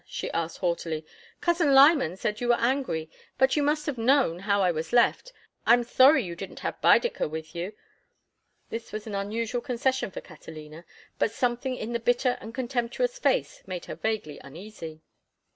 she asked, haughtily. "Cousin Lyman said you were angry, but you must have known how I was left. I am sorry you didn't have Baedeker with you." This was an unusual concession for Catalina, but something in the bitter and contemptuous face made her vaguely uneasy.